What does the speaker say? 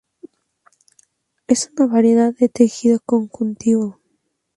Es una variedad de tejido conjuntivo.